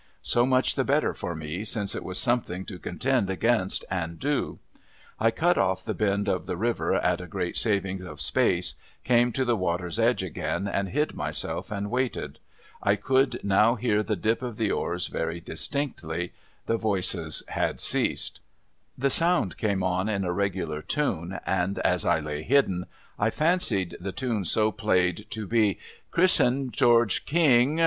So much the better for me, since it was something to contend against and do. I cut off the bend of the river, at a great saving of space, came to the water's edge again, and hid myself, and waited. I could now hear the dip of the oars very distinctly; the voices had ceased. The sound came on in a regular tune, and as I lay hidden, I fancied the tune so played to be, ' Chris'en— George— King